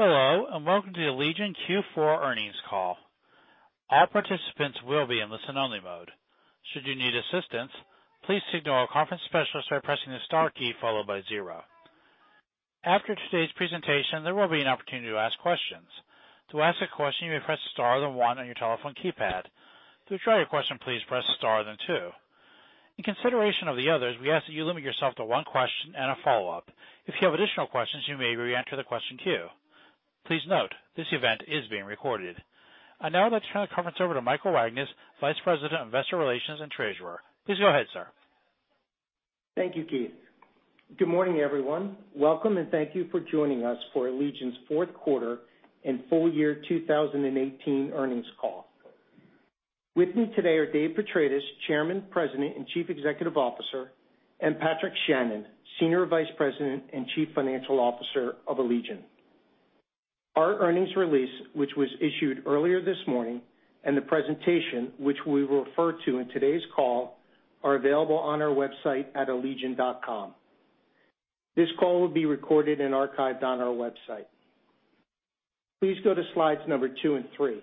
Hello, and welcome to the Allegion Q4 earnings call. All participants will be in listen only mode. Should you need assistance, please signal our conference specialist by pressing the star key followed by zero. After today's presentation, there will be an opportunity to ask questions. To ask a question, you may press star, then one on your telephone keypad. To withdraw your question, please press star, then two. In consideration of the others, we ask that you limit yourself to one question and a follow-up. If you have additional questions, you may reenter the question queue. Please note, this event is being recorded. I'd now like to turn the conference over to Michael Wagnes, Vice President of Investor Relations and Treasurer. Please go ahead, sir. Thank you, Keith. Good morning, everyone. Welcome, and thank you for joining us for Allegion's fourth quarter and full year 2018 earnings call. With me today are Dave Petratis, Chairman, President, and Chief Executive Officer, and Patrick Shannon, Senior Vice President and Chief Financial Officer of Allegion. Our earnings release, which was issued earlier this morning, and the presentation, which we will refer to in today's call, are available on our website at allegion.com. This call will be recorded and archived on our website. Please go to slides number two and three.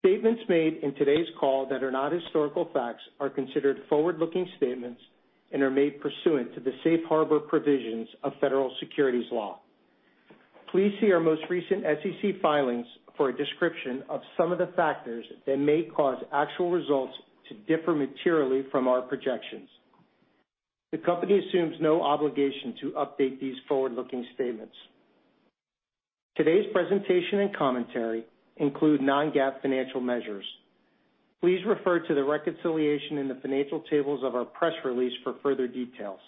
Statements made in today's call that are not historical facts are considered forward-looking statements and are made pursuant to the safe harbor provisions of Federal Securities Laws. Please see our most recent SEC filings for a description of some of the factors that may cause actual results to differ materially from our projections. The company assumes no obligation to update these forward-looking statements. Today's presentation and commentary include non-GAAP financial measures. Please refer to the reconciliation in the financial tables of our press release for further details.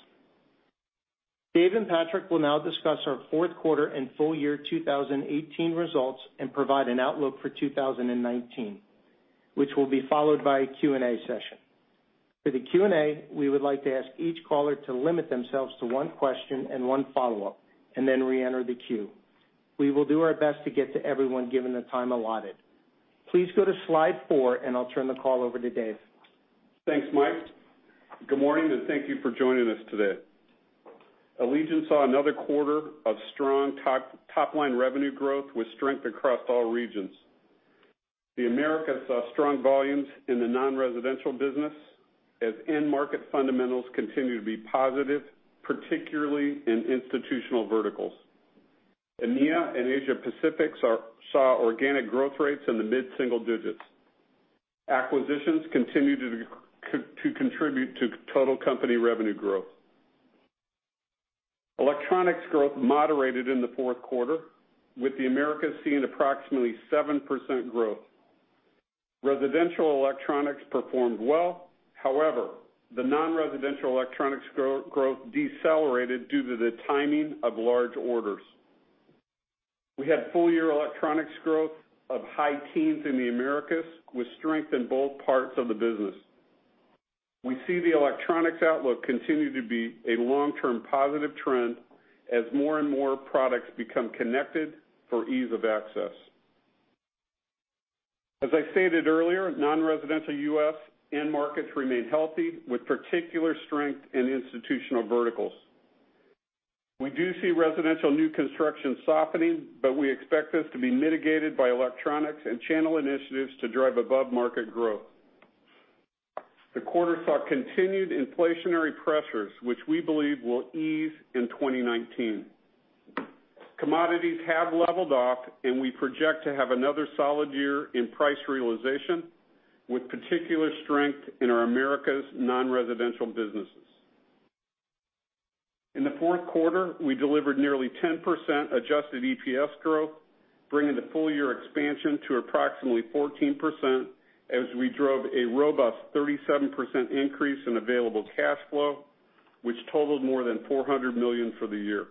Dave and Patrick will now discuss our fourth quarter and full year 2018 results and provide an outlook for 2019, which will be followed by a Q&A session. For the Q&A, we would like to ask each caller to limit themselves to one question and one follow-up, and then reenter the queue. We will do our best to get to everyone given the time allotted. Please go to slide four, and I'll turn the call over to Dave. Thanks, Mike. Good morning, and thank you for joining us today. Allegion saw another quarter of strong top-line revenue growth with strength across all regions. The Americas saw strong volumes in the non-residential business as end market fundamentals continue to be positive, particularly in institutional verticals. EMEIA and Asia Pacific saw organic growth rates in the mid-single digits. Acquisitions continue to contribute to total company revenue growth. Electronics growth moderated in the fourth quarter, with the Americas seeing approximately 7% growth. Residential electronics performed well. However, the non-residential electronics growth decelerated due to the timing of large orders. We had full-year electronics growth of high teens in the Americas with strength in both parts of the business. We see the electronics outlook continue to be a long-term positive trend as more and more products become connected for ease of access. As I stated earlier, non-residential U.S. end markets remain healthy, with particular strength in institutional verticals. We do see residential new construction softening, but we expect this to be mitigated by electronics and channel initiatives to drive above-market growth. The quarter saw continued inflationary pressures, which we believe will ease in 2019. Commodities have leveled off, and we project to have another solid year in price realization, with particular strength in our Americas non-residential businesses. In the fourth quarter, we delivered nearly 10% adjusted EPS growth, bringing the full-year expansion to approximately 14% as we drove a robust 37% increase in available cash flow, which totaled more than $400 million for the year.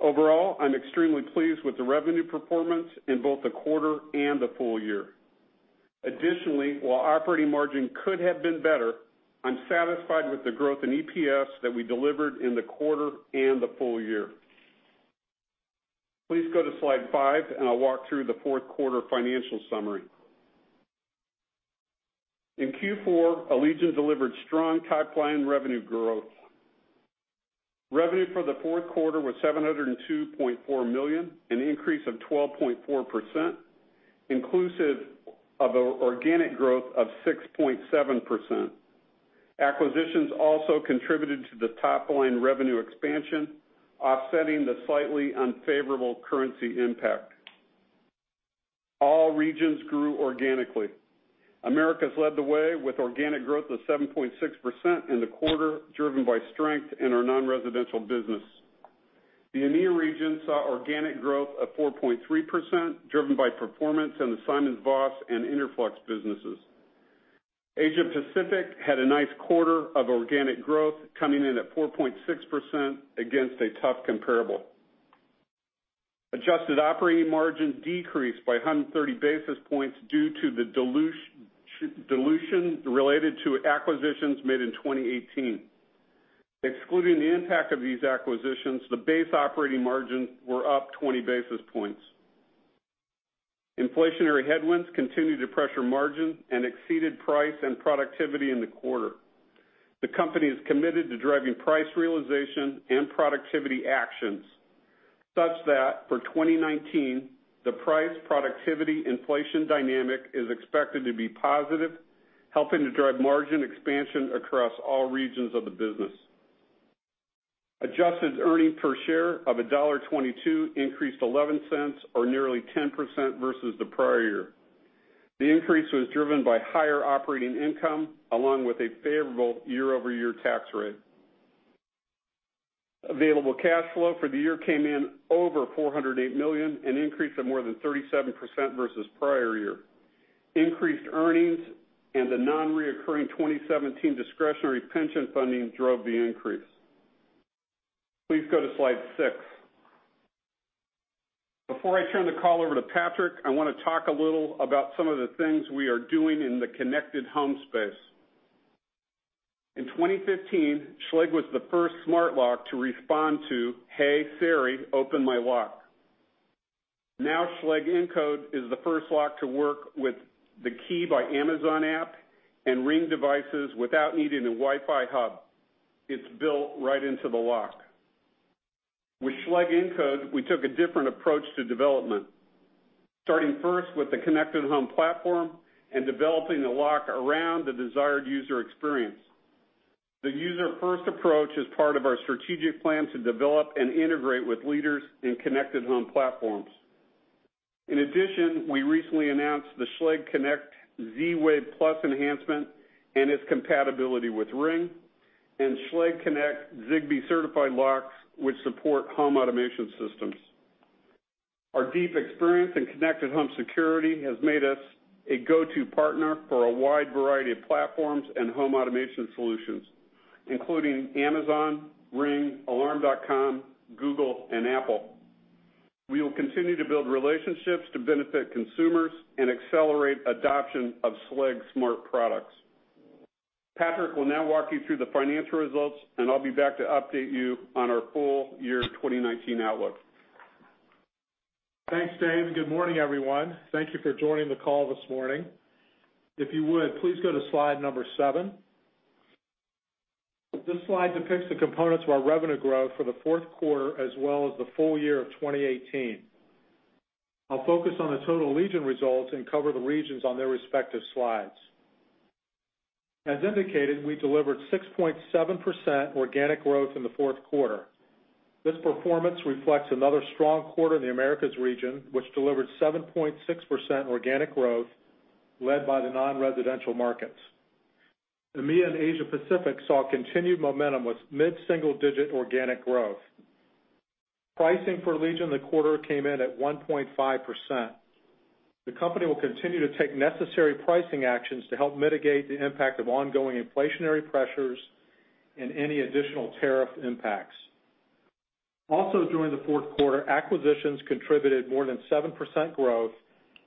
Overall, I'm extremely pleased with the revenue performance in both the quarter and the full year. Additionally, while operating margin could have been better, I'm satisfied with the growth in EPS that we delivered in the quarter and the full year. Please go to slide five, and I'll walk through the fourth quarter financial summary. In Q4, Allegion delivered strong top-line revenue growth. Revenue for the fourth quarter was $702.4 million, an increase of 12.4%, inclusive of an organic growth of 6.7%. Acquisitions also contributed to the top-line revenue expansion, offsetting the slightly unfavorable currency impact. All regions grew organically. Americas led the way with organic growth of 7.6% in the quarter, driven by strength in our non-residential business. The EMEIA region saw organic growth of 4.3%, driven by performance in the SimonsVoss and Interflex businesses. Asia Pacific had a nice quarter of organic growth coming in at 4.6% against a tough comparable. Adjusted operating margin decreased by 130 basis points due to the dilution related to acquisitions made in 2018. Excluding the impact of these acquisitions, the base operating margins were up 20 basis points. Inflationary headwinds continue to pressure margin and exceeded price and productivity in the quarter. The company is committed to driving price realization and productivity actions, such that for 2019, the price productivity inflation dynamic is expected to be positive, helping to drive margin expansion across all regions of the business. Adjusted EPS of $1.22 increased $0.11 or nearly 10% versus the prior year. The increase was driven by higher operating income along with a favorable year-over-year tax rate. Available cash flow for the year came in over $408 million, an increase of more than 37% versus prior year. Increased earnings and the non-recurring 2017 discretionary pension funding drove the increase. Please go to slide six. Before I turn the call over to Patrick, I want to talk a little about some of the things we are doing in the connected home space. In 2015, Schlage was the first smart lock to respond to, "Hey, Siri, open my lock." Now, Schlage Encode is the first lock to work with the Key by Amazon app and Ring devices without needing a Wi-Fi hub. It's built right into the lock. With Schlage Encode, we took a different approach to development, starting first with the connected home platform and developing the lock around the desired user experience. The user-first approach is part of our strategic plan to develop and integrate with leaders in connected home platforms. In addition, we recently announced the Schlage Connect Z-Wave Plus enhancement and its compatibility with Ring, and Schlage Connect Zigbee-certified locks, which support home automation systems. Our deep experience in connected home security has made us a go-to partner for a wide variety of platforms and home automation solutions, including Amazon, Ring, Alarm.com, Google, and Apple. We will continue to build relationships to benefit consumers and accelerate adoption of Schlage smart products. Patrick will now walk you through the financial results, and I'll be back to update you on our full year 2019 outlook. Thanks, Dave. Good morning, everyone. Thank you for joining the call this morning. If you would, please go to slide number seven. This slide depicts the components of our revenue growth for the fourth quarter as well as the full year of 2018. I'll focus on the total Allegion results and cover the regions on their respective slides. As indicated, we delivered 6.7% organic growth in the fourth quarter. This performance reflects another strong quarter in the Americas region, which delivered 7.6% organic growth led by the non-residential markets. EMEIA and Asia Pacific saw continued momentum with mid-single-digit organic growth. Pricing for Allegion in the quarter came in at 1.5%. The company will continue to take necessary pricing actions to help mitigate the impact of ongoing inflationary pressures and any additional tariff impacts. During the fourth quarter, acquisitions contributed more than 7% growth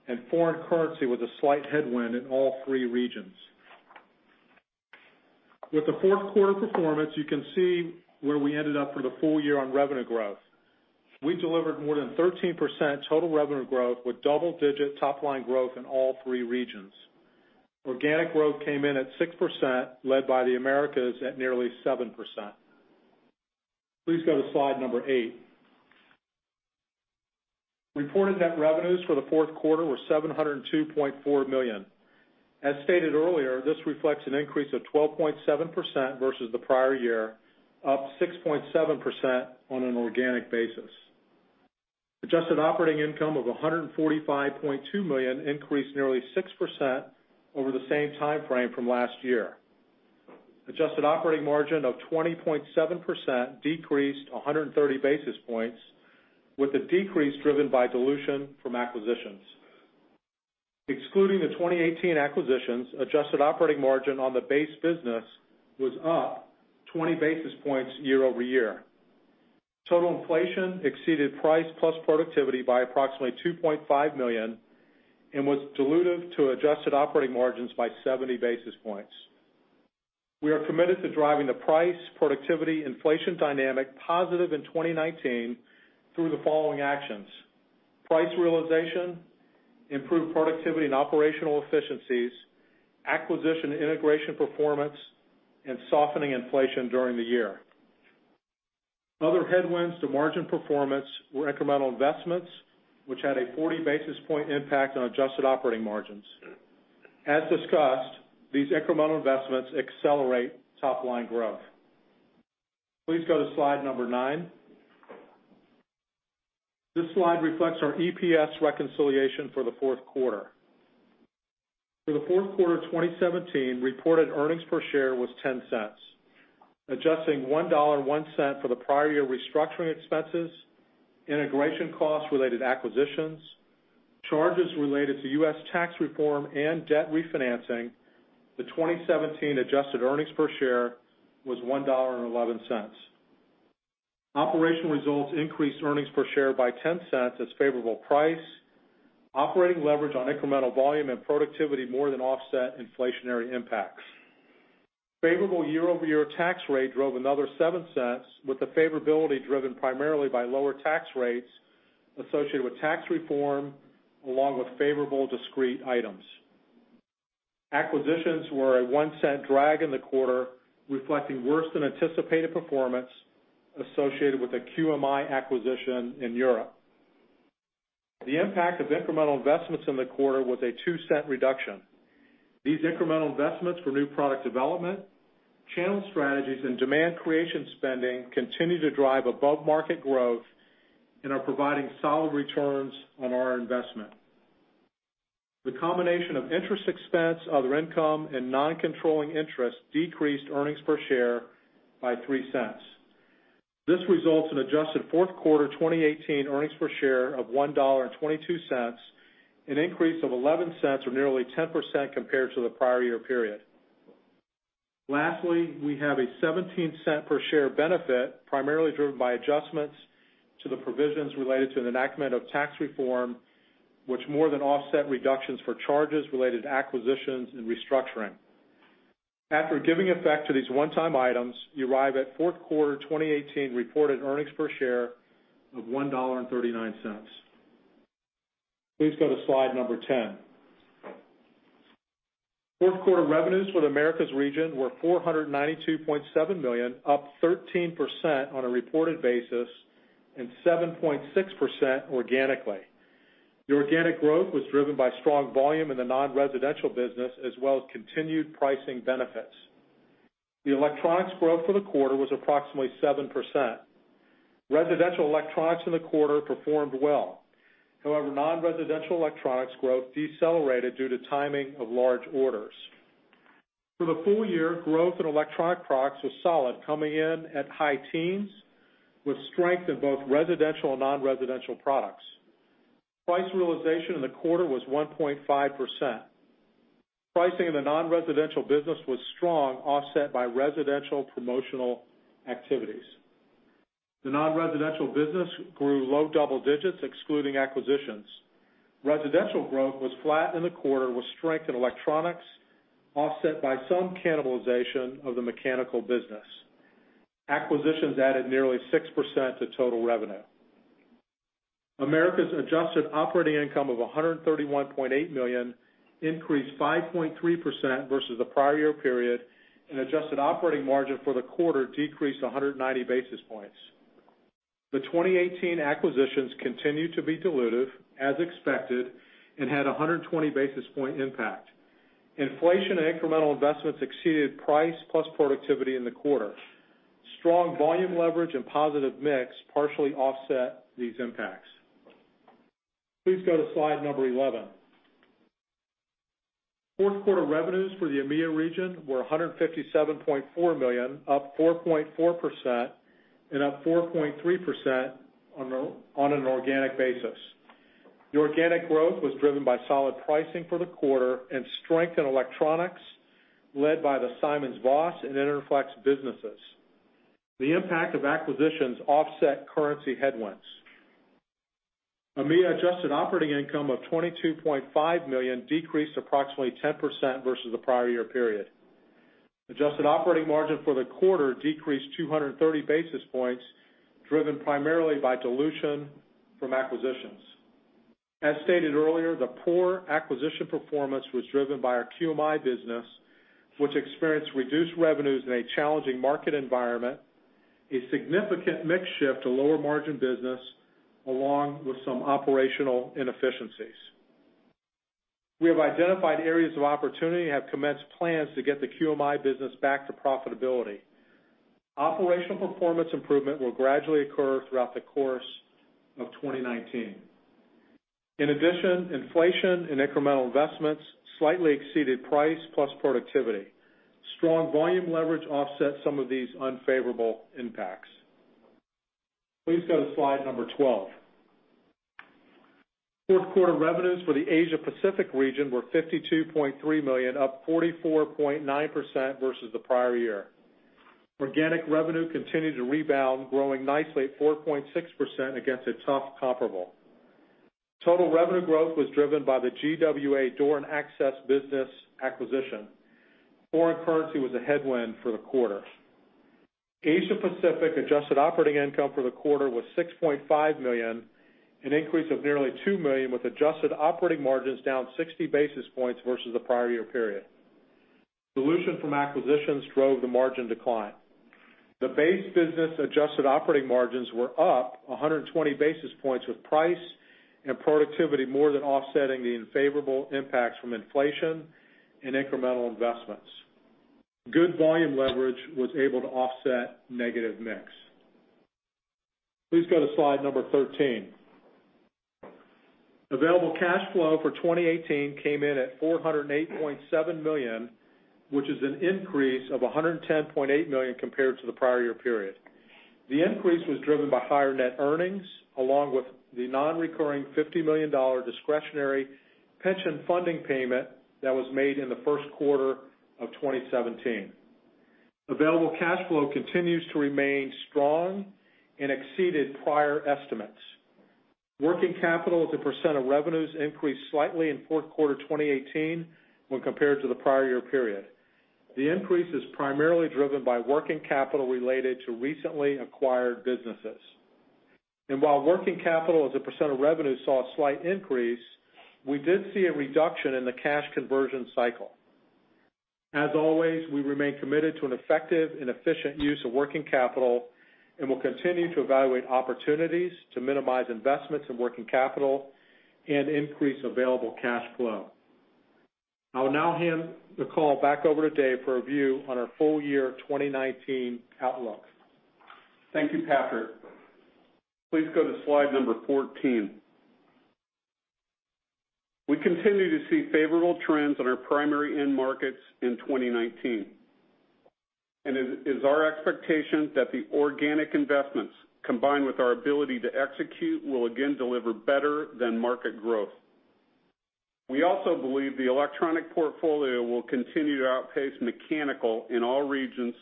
and foreign currency was a slight headwind in all three regions. With the fourth quarter performance, you can see where we ended up for the full year on revenue growth. We delivered more than 13% total revenue growth with double-digit top-line growth in all three regions. Organic growth came in at 6%, led by the Americas at nearly 7%. Please go to slide number eight. Reported net revenues for the fourth quarter were $702.4 million. As stated earlier, this reflects an increase of 12.7% versus the prior year, up 6.7% on an organic basis. Adjusted operating income of $145.2 million increased nearly 6% over the same timeframe from last year. Adjusted operating margin of 20.7% decreased 130 basis points, with the decrease driven by dilution from acquisitions. Excluding the 2018 acquisitions, adjusted operating margin on the base business was up 20 basis points year-over-year. Total inflation exceeded price plus productivity by approximately $2.5 million and was dilutive to adjusted operating margins by 70 basis points. We are committed to driving the price, productivity, inflation dynamic positive in 2019 through the following actions: price realization, improved productivity and operational efficiencies, acquisition integration performance, and softening inflation during the year. Other headwinds to margin performance were incremental investments, which had a 40 basis point impact on adjusted operating margins. As discussed, these incremental investments accelerate top-line growth. Please go to slide number nine. This slide reflects our EPS reconciliation for the fourth quarter. For the fourth quarter of 2017, reported earnings per share was $0.10. Adjusting $1.01 for the prior year restructuring expenses, integration costs related acquisitions, charges related to U.S. Tax Reform, and debt refinancing, the 2017 adjusted earnings per share was $1.11. Operational results increased earnings per share by $0.10 as favorable price, operating leverage on incremental volume and productivity more than offset inflationary impacts. Favorable year-over-year tax rate drove another $0.07 with the favorability driven primarily by lower tax rates associated with Tax Reform, along with favorable discrete items. Acquisitions were a $0.01 drag in the quarter, reflecting worse than anticipated performance associated with the QMI acquisition in Europe. The impact of incremental investments in the quarter was a $0.02 reduction. These incremental investments for new product development, channel strategies, and demand creation spending continue to drive above-market growth and are providing solid returns on our investment. The combination of interest expense, other income, and non-controlling interest decreased earnings per share by $0.03. This results in adjusted fourth quarter 2018 earnings per share of $1.22, an increase of $0.11 or nearly 10% compared to the prior year period. Lastly, we have a $0.17 per share benefit, primarily driven by adjustments to the provisions related to the enactment of Tax Reform, which more than offset reductions for charges related to acquisitions and restructuring. After giving effect to these one-time items, you arrive at fourth quarter 2018 reported earnings per share of $1.39. Please go to slide number 10. Fourth quarter revenues for the Americas region were $492.7 million, up 13% on a reported basis and 7.6% organically. The organic growth was driven by strong volume in the non-residential business as well as continued pricing benefits. The electronics growth for the quarter was approximately 7%. Residential electronics in the quarter performed well. However, non-residential electronics growth decelerated due to timing of large orders. For the full year, growth in electronic products was solid, coming in at high teens with strength in both residential and non-residential products. Price realization in the quarter was 1.5%. Pricing in the non-residential business was strong, offset by residential promotional activities. The non-residential business grew low double digits excluding acquisitions. Residential growth was flat in the quarter with strength in electronics offset by some cannibalization of the mechanical business. Acquisitions added nearly 6% to total revenue. Americas adjusted operating income of $131.8 million increased 5.3% versus the prior year period, and adjusted operating margin for the quarter decreased 190 basis points. The 2018 acquisitions continued to be dilutive as expected and had 120 basis point impact. Inflation and incremental investments exceeded price plus productivity in the quarter. Strong volume leverage and positive mix partially offset these impacts. Please go to slide number 11. Fourth quarter revenues for the EMEIA region were $157.4 million, up 4.4% and up 4.3% on an organic basis. The organic growth was driven by solid pricing for the quarter and strength in electronics led by the SimonsVoss and Interflex businesses. The impact of acquisitions offset currency headwinds. EMEIA adjusted operating income of $22.5 million decreased approximately 10% versus the prior year period. Adjusted operating margin for the quarter decreased 230 basis points, driven primarily by dilution from acquisitions. As stated earlier, the poor acquisition performance was driven by our QMI business, which experienced reduced revenues in a challenging market environment, a significant mix shift to lower-margin business, along with some operational inefficiencies. We have identified areas of opportunity and have commenced plans to get the QMI business back to profitability. Operational performance improvement will gradually occur throughout the course of 2019. In addition, inflation and incremental investments slightly exceeded price plus productivity. Strong volume leverage offset some of these unfavorable impacts. Please go to slide 12. Fourth quarter revenues for the Asia Pacific region were $52.3 million, up 44.9% versus the prior year. Organic revenue continued to rebound, growing nicely at 4.6% against a tough comparable. Total revenue growth was driven by the GWA Door and Access business acquisition. Foreign currency was a headwind for the quarter. Asia Pacific adjusted operating income for the quarter was $6.5 million, an increase of nearly $2 million, with adjusted operating margins down 60 basis points versus the prior year period. Dilution from acquisitions drove the margin decline. The base business-adjusted operating margins were up 120 basis points, with price and productivity more than offsetting the unfavorable impacts from inflation and incremental investments. Good volume leverage was able to offset negative mix. Please go to slide 13. Available cash flow for 2018 came in at $408.7 million, which is an increase of $110.8 million compared to the prior year period. The increase was driven by higher net earnings along with the non-recurring $50 million discretionary pension funding payment that was made in the first quarter of 2017. Available cash flow continues to remain strong and exceeded prior estimates. Working capital as a percent of revenues increased slightly in fourth quarter 2018 when compared to the prior year period. The increase is primarily driven by working capital related to recently acquired businesses. While working capital as a percent of revenue saw a slight increase, we did see a reduction in the cash conversion cycle. As always, we remain committed to an effective and efficient use of working capital and will continue to evaluate opportunities to minimize investments in working capital and increase available cash flow. I will now hand the call back over to Dave for a view on our full year 2019 outlook. Thank you, Patrick. Please go to slide 14. We continue to see favorable trends on our primary end markets in 2019. It is our expectation that the organic investments, combined with our ability to execute, will again deliver better than market growth. We also believe the electronic portfolio will continue to outpace mechanical in all regions.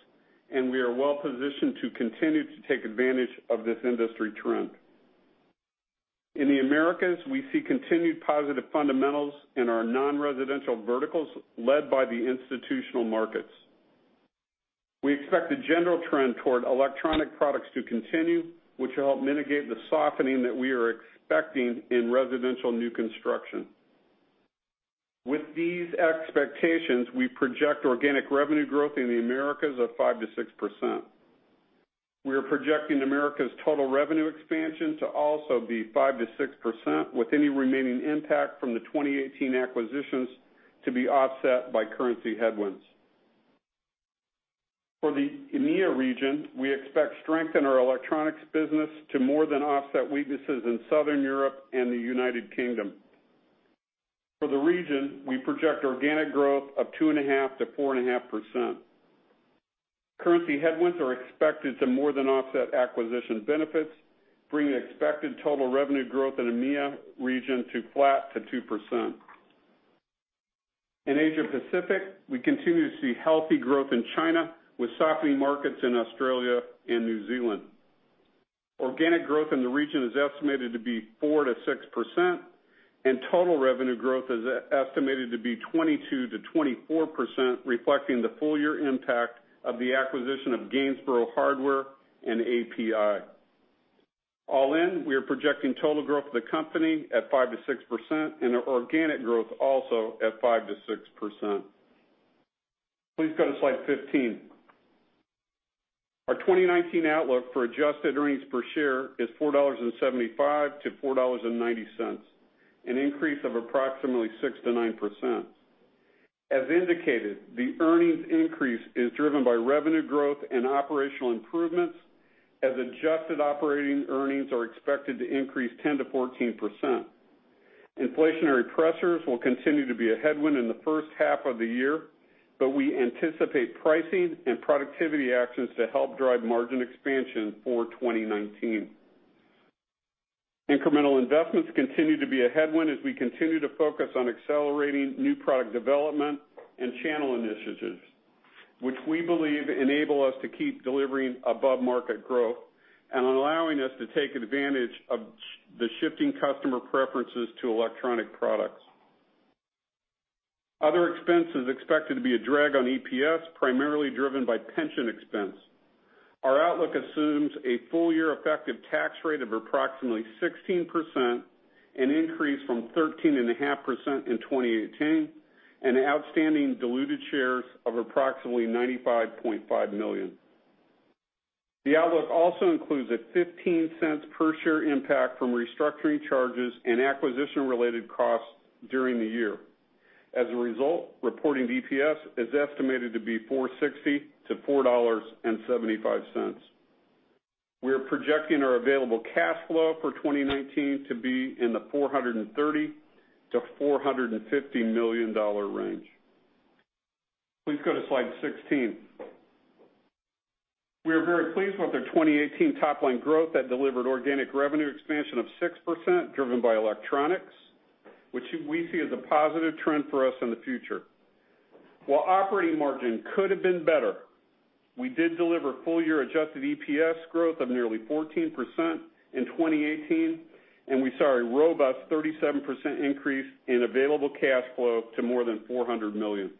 We are well positioned to continue to take advantage of this industry trend. In the Americas, we see continued positive fundamentals in our non-residential verticals, led by the institutional markets. We expect the general trend toward electronic products to continue, which will help mitigate the softening that we are expecting in residential new construction. With these expectations, we project organic revenue growth in the Americas of 5%-6%. We are projecting Americas' total revenue expansion to also be 5%-6%, with any remaining impact from the 2018 acquisitions to be offset by currency headwinds. For the EMEIA region, we expect strength in our electronics business to more than offset weaknesses in Southern Europe and the U.K. For the region, we project organic growth of 2.5%-4.5%. Currency headwinds are expected to more than offset acquisition benefits, bringing expected total revenue growth in EMEIA region to flat to 2%. In Asia Pacific, we continue to see healthy growth in China, with softening markets in Australia and New Zealand. Organic growth in the region is estimated to be 4%-6%, and total revenue growth is estimated to be 22%-24%, reflecting the full year impact of the acquisition of Gainsborough Hardware and API. All in, we are projecting total growth of the company at 5%-6% and our organic growth also at 5%-6%. Please go to slide 15. Our 2019 outlook for adjusted earnings per share is $4.75-$4.90, an increase of approximately 6%-9%. As indicated, the earnings increase is driven by revenue growth and operational improvements, as adjusted operating earnings are expected to increase 10%-14%. Inflationary pressures will continue to be a headwind in the first half of the year, but we anticipate pricing and productivity actions to help drive margin expansion for 2019. Incremental investments continue to be a headwind as we continue to focus on accelerating new product development and channel initiatives, which we believe enable us to keep delivering above-market growth and allowing us to take advantage of the shifting customer preferences to electronic products. Other expenses expected to be a drag on EPS, primarily driven by pension expense. Our outlook assumes a full year effective tax rate of approximately 16%, an increase from 13.5% in 2018, and outstanding diluted shares of approximately 95.5 million. The outlook also includes a $0.15 per share impact from restructuring charges and acquisition-related costs during the year. As a result, reporting EPS is estimated to be $4.60-$4.75. We are projecting our available cash flow for 2019 to be in the $430 million-$450 million range. Please go to slide 16. We are very pleased with our 2018 top-line growth that delivered organic revenue expansion of 6%, driven by electronics, which we see as a positive trend for us in the future. While operating margin could have been better, we did deliver full-year adjusted EPS growth of nearly 14% in 2018, and we saw a robust 37% increase in available cash flow to more than $400 million.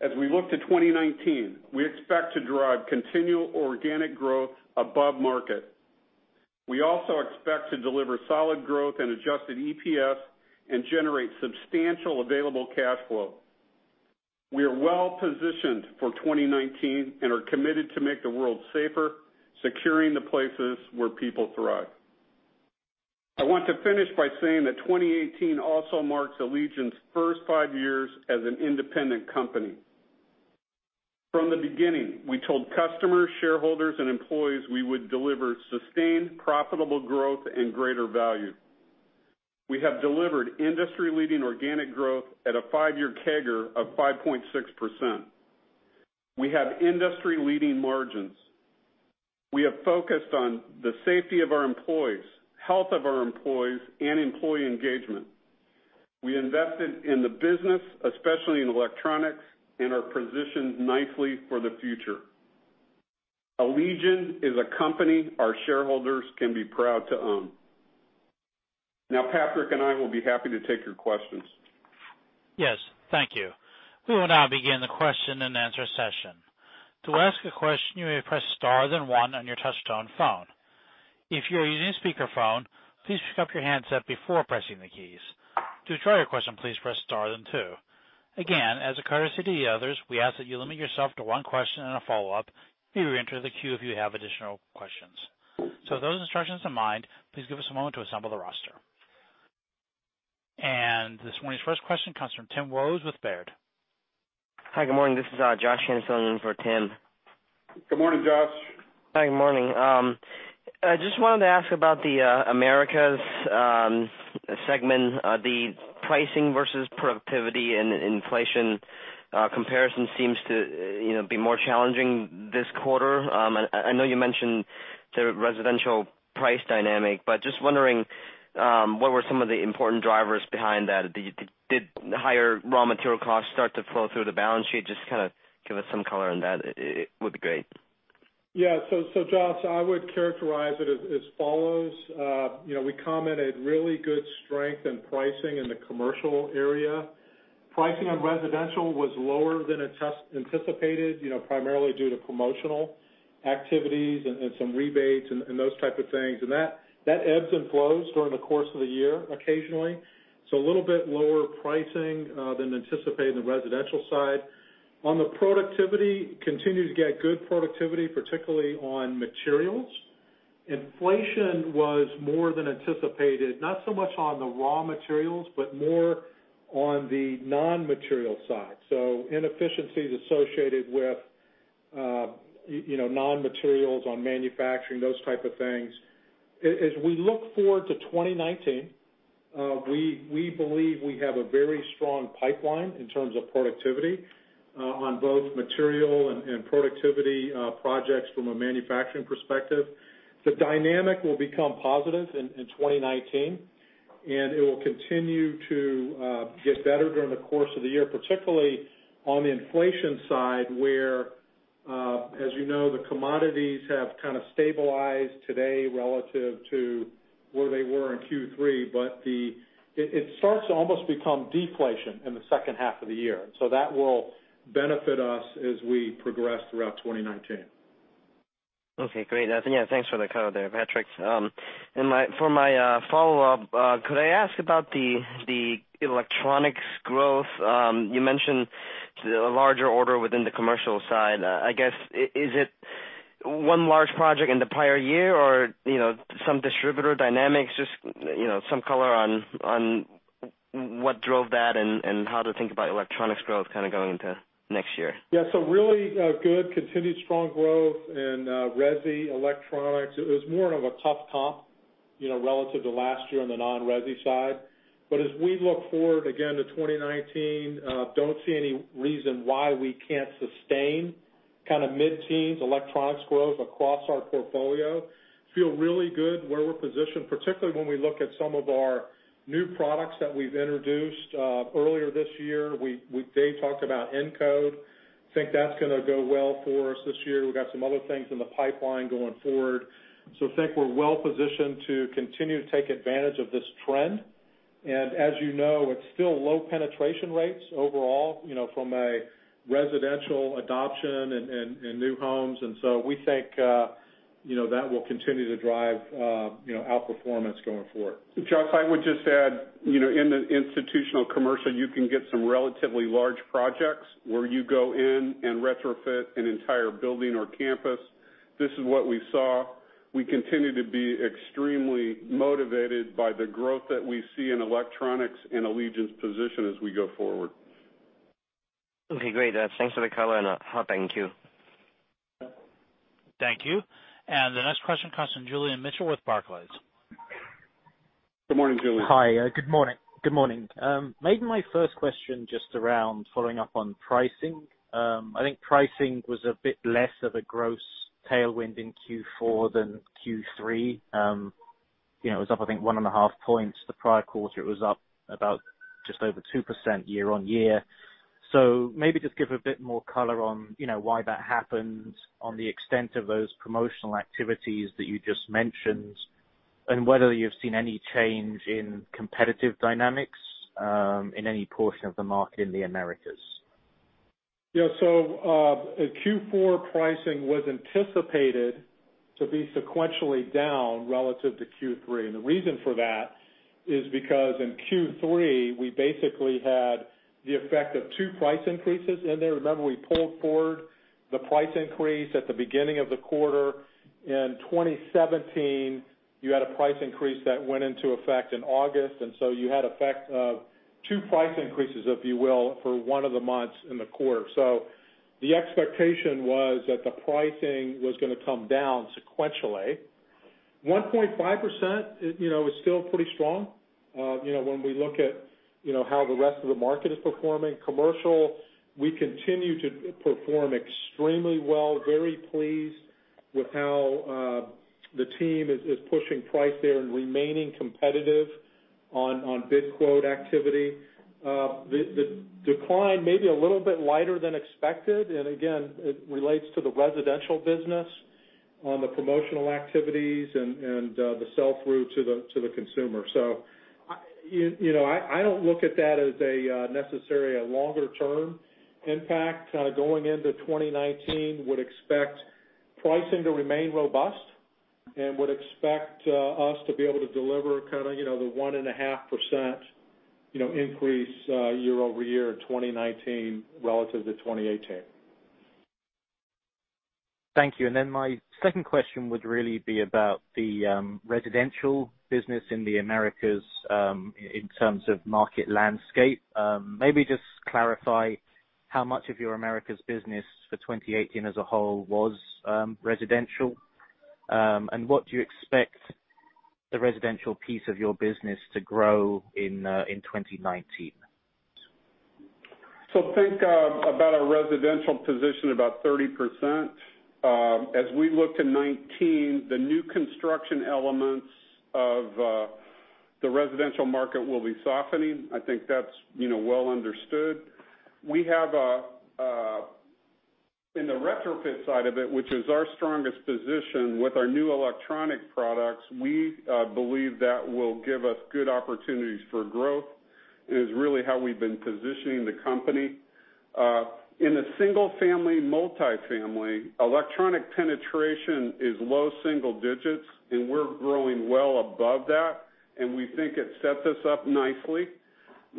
As we look to 2019, we expect to drive continual organic growth above market. We also expect to deliver solid growth in adjusted EPS and generate substantial available cash flow. We are well-positioned for 2019 and are committed to make the world safer, securing the places where people thrive. I want to finish by saying that 2018 also marks Allegion's first five years as an independent company. From the beginning, we told customers, shareholders, and employees we would deliver sustained, profitable growth and greater value. We have delivered industry-leading organic growth at a five-year CAGR of 5.6%. We have industry-leading margins. We have focused on the safety of our employees, health of our employees, and employee engagement. We invested in the business, especially in electronics, and are positioned nicely for the future. Allegion is a company our shareholders can be proud to own. Now, Patrick and I will be happy to take your questions. Yes, thank you. We will now begin the question and answer session. To ask a question, you may press star then one on your touchtone phone. If you're using a speakerphone, please pick up your handset before pressing the keys. To withdraw your question, please press star then two. Again, as a courtesy to the others, we ask that you limit yourself to one question and a follow-up. You may reenter the queue if you have additional questions. With those instructions in mind, please give us a moment to assemble the roster. This morning's first question comes from Timothy Wojs with Baird. Hi, good morning. This is Josh in, filling in for Tim. Good morning, Josh. Hi, good morning. I just wanted to ask about the Americas segment. The pricing versus productivity and inflation comparison seems to be more challenging this quarter. I know you mentioned the residential price dynamic, but just wondering, what were some of the important drivers behind that? Did higher raw material costs start to flow through the balance sheet? Just kind of give us some color on that would be great. Yeah. Josh, I would characterize it as follows. We commented really good strength in pricing in the commercial area. Pricing on residential was lower than anticipated, primarily due to promotional activities and some rebates and those type of things. That ebbs and flows during the course of the year occasionally. A little bit lower pricing than anticipated in the residential side. On the productivity, continue to get good productivity, particularly on materials. Inflation was more than anticipated, not so much on the raw materials, but more on the non-material side. Inefficiencies associated with non-materials on manufacturing, those type of things. As we look forward to 2019, we believe we have a very strong pipeline in terms of productivity on both material and productivity projects from a manufacturing perspective. The dynamic will become positive in 2019, and it will continue to get better during the course of the year, particularly on the inflation side, where, as you know, the commodities have kind of stabilized today relative to where they were in Q3. It starts to almost become deflation in the second half of the year. That will benefit us as we progress throughout 2019. Okay, great. Yeah, thanks for the color there, Patrick. For my follow-up, could I ask about the electronics growth? You mentioned a larger order within the commercial side. I guess, is it one large project in the prior year or some distributor dynamics? Just some color on what drove that and how to think about electronics growth kind of going into next year. Yeah. Really good continued strong growth in resi electronics. It was more of a tough comp relative to last year on the non-resi side. As we look forward, again, to 2019, don't see any reason why we can't sustain kind of mid-teens electronics growth across our portfolio. Feel really good where we're positioned, particularly when we look at some of our new products that we've introduced earlier this year. Dave talked about Encode. Think that's going to go well for us this year. We've got some other things in the pipeline going forward. Think we're well-positioned to continue to take advantage of this trend. As you know, it's still low penetration rates overall from a residential adoption and new homes. We think that will continue to drive outperformance going forward. Josh, I would just add, in the institutional commercial, you can get some relatively large projects where you go in and retrofit an entire building or campus. This is what we saw. We continue to be extremely motivated by the growth that we see in electronics and Allegion's position as we go forward. Okay, great. Thanks for the color and thank you. Thank you. The next question comes from Julian Mitchell with Barclays. Good morning, Julian. Hi, good morning. Maybe my first question just around following up on pricing. I think pricing was a bit less of a gross tailwind in Q4 than Q3. It was up, I think, 1.5 points. The prior quarter, it was up about just over 2% year-on-year. Maybe just give a bit more color on why that happened, on the extent of those promotional activities that you just mentioned, and whether you've seen any change in competitive dynamics in any portion of the market in the Americas. Yeah. Q4 pricing was anticipated to be sequentially down relative to Q3, and the reason for that is because in Q3, we basically had the effect of two price increases in there. Remember, we pulled forward the price increase at the beginning of the quarter. In 2017, you had a price increase that went into effect in August, and you had effect of two price increases, if you will, for one of the months in the quarter. The expectation was that the pricing was going to come down sequentially. 1.5% is still pretty strong when we look at how the rest of the market is performing. Commercial, we continue to perform extremely well. Very pleased With how the team is pushing price there and remaining competitive on bid quote activity. The decline may be a little bit lighter than expected, and again, it relates to the residential business on the promotional activities and the sell-through to the consumer. I don't look at that as a necessary longer-term impact going into 2019. Would expect pricing to remain robust and would expect us to be able to deliver kind of the 1.5% increase year-over-year in 2019 relative to 2018. Thank you. My second question would really be about the residential business in the Americas, in terms of market landscape. Maybe just clarify how much of your Americas business for 2018 as a whole was residential, and what do you expect the residential piece of your business to grow in 2019? Think about our residential position about 30%. As we look to 2019, the new construction elements of the residential market will be softening. I think that's well understood. We have, in the retrofit side of it, which is our strongest position with our new electronic products, we believe that will give us good opportunities for growth, and is really how we've been positioning the company. In the single family, multifamily, electronic penetration is low single digits, and we're growing well above that, and we think it set us up nicely.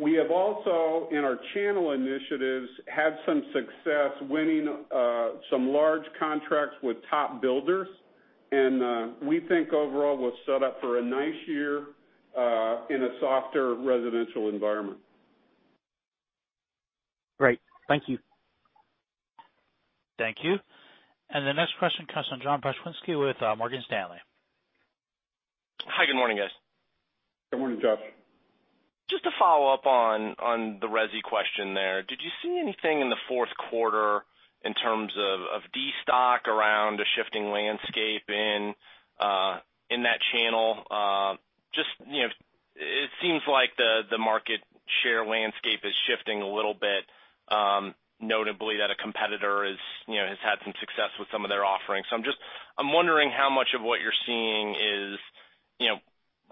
We have also, in our channel initiatives, had some success winning some large contracts with top builders, and we think overall we're set up for a nice year in a softer residential environment. Great. Thank you. Thank you. The next question comes from Josh Pokrzywinski with Morgan Stanley. Hi, good morning, guys. Good morning, Josh. Just to follow up on the resi question there, did you see anything in the fourth quarter in terms of de-stock around a shifting landscape in that channel? Just, it seems like the market share landscape is shifting a little bit. Notably that a competitor has had some success with some of their offerings. I'm just wondering how much of what you're seeing is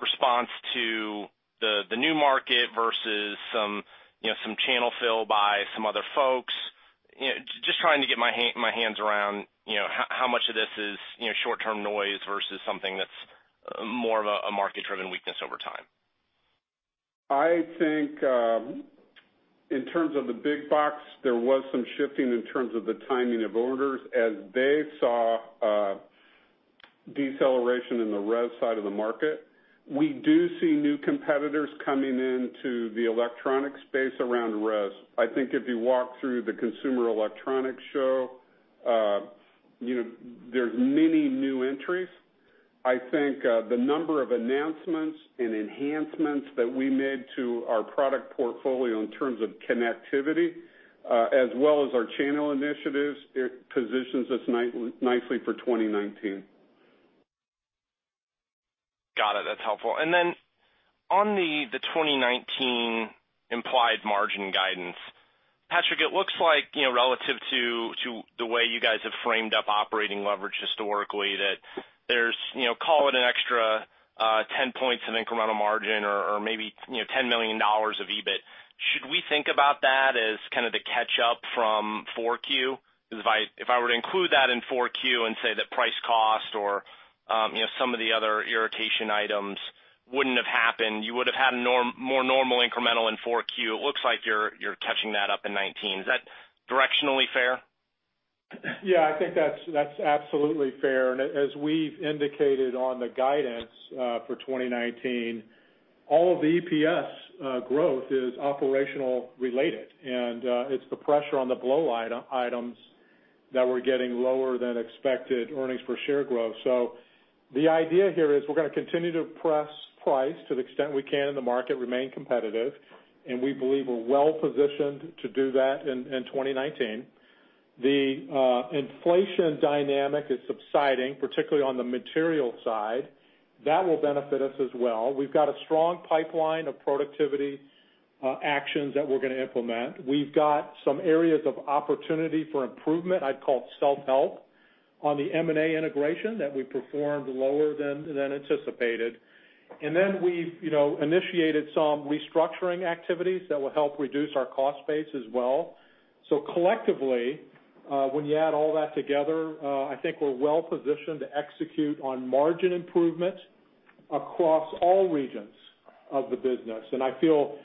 response to the new market versus some channel fill by some other folks. Just trying to get my hands around how much of this is short-term noise versus something that's more of a market-driven weakness over time. I think, in terms of the big box, there was some shifting in terms of the timing of orders as they saw a deceleration in the resi side of the market. We do see new competitors coming into the electronic space around resi. I think if you walk through the Consumer Electronics Show, there's many new entries. I think, the number of announcements and enhancements that we made to our product portfolio in terms of connectivity, as well as our channel initiatives, it positions us nicely for 2019. Got it. That's helpful. Then on the 2019 implied margin guidance, Patrick, it looks like, relative to the way you guys have framed up operating leverage historically, that there's, call it an extra 10 points of incremental margin or maybe $10 million of EBIT. Should we think about that as kind of the catch up from 4Q? Because if I were to include that in 4Q and say that price cost or some of the other irritation items wouldn't have happened, you would've had a more normal incremental in 4Q. It looks like you're catching that up in 2019. Is that directionally fair? Yeah, I think that's absolutely fair. As we've indicated on the guidance for 2019, all of the EPS growth is operational related, and it's the pressure on the below-the-line items that we're getting lower than expected earnings per share growth. The idea here is we're going to continue to press price to the extent we can in the market, remain competitive, and we believe we're well-positioned to do that in 2019. The inflation dynamic is subsiding, particularly on the material side. That will benefit us as well. We've got a strong pipeline of productivity actions that we're going to implement. We've got some areas of opportunity for improvement, I'd call it self-help, on the M&A integration that we performed lower than anticipated. Then we've initiated some restructuring activities that will help reduce our cost base as well. Collectively, when you add all that together, I think we're well positioned to execute on margin improvement across all regions of the business. I feel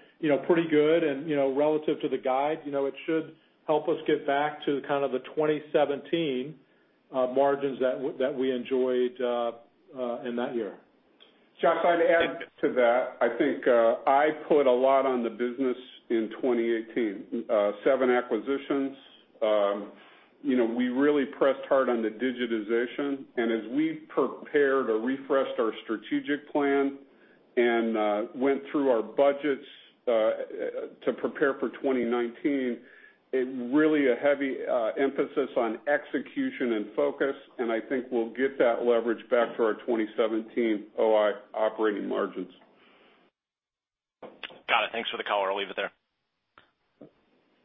pretty good and relative to the guide, it should help us get back to kind of the 2017 margins that we enjoyed in that year. Josh, I'd add to that, I think, I put a lot on the business in 2018. seven acquisitions. We really pressed hard on the digitization and We prepared or refreshed our strategic plan and went through our budgets to prepare for 2019. Really a heavy emphasis on execution and focus, I think we'll get that leverage back to our 2017 OI operating margins. Got it. Thanks for the color. I'll leave it there.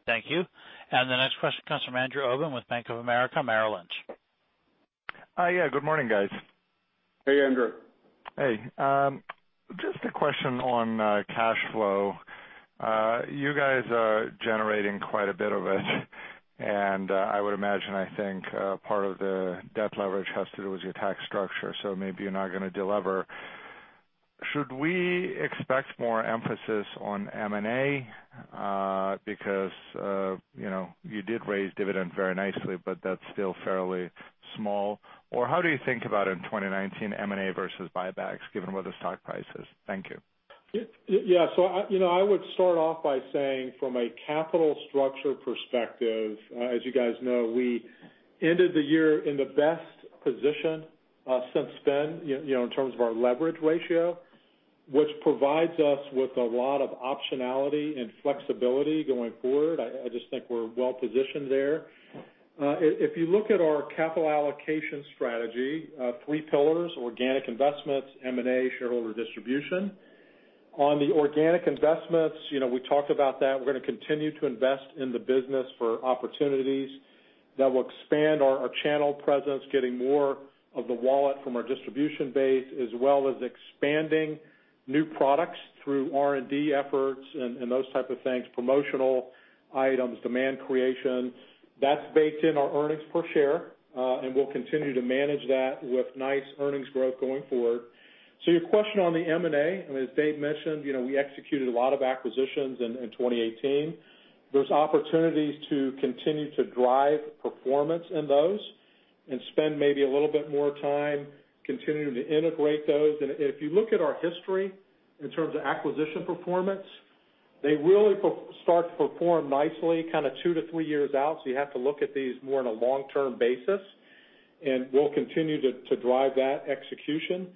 Thank you. The next question comes from Andrew Obin with Bank of America Merrill Lynch. Yeah. Good morning, guys. Hey, Andrew. Hey. Just a question on cash flow. You guys are generating quite a bit of it and I would imagine, I think, part of the debt leverage has to do with your tax structure, so maybe you're not going to de-lever. Should we expect more emphasis on M&A? Because you did raise dividend very nicely, but that's still fairly small. Or how do you think about in 2019, M&A versus buybacks given where the stock price is? Thank you. Yeah. I would start off by saying from a capital structure perspective, as you guys know, we ended the year in the best position since then, in terms of our leverage ratio, which provides us with a lot of optionality and flexibility going forward. I just think we're well-positioned there. If you look at our capital allocation strategy, three pillars, organic investments, M&A, shareholder distribution. On the organic investments, we talked about that. We're going to continue to invest in the business for opportunities that will expand our channel presence, getting more of the wallet from our distribution base, as well as expanding new products through R&D efforts and those type of things, promotional items, demand creation. That's baked in our earnings per share, and we'll continue to manage that with nice earnings growth going forward. Your question on the M&A, as Dave mentioned, we executed a lot of acquisitions in 2018. There's opportunities to continue to drive performance in those and spend maybe a little bit more time continuing to integrate those. If you look at our history in terms of acquisition performance, they really start to perform nicely kind of two to three years out, so you have to look at these more on a long-term basis. We'll continue to drive that execution.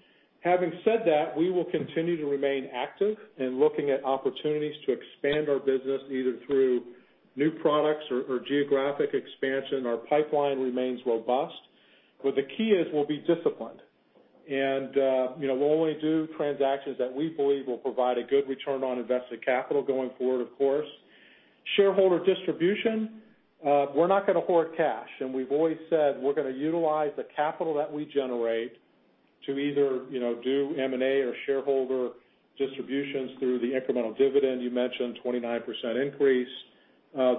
Having said that, we will continue to remain active in looking at opportunities to expand our business, either through new products or geographic expansion. Our pipeline remains robust. The key is we'll be disciplined, and we'll only do transactions that we believe will provide a good return on invested capital going forward, of course. Shareholder distribution, we're not going to hoard cash, we've always said we're going to utilize the capital that we generate to either do M&A or shareholder distributions through the incremental dividend. You mentioned 29% increase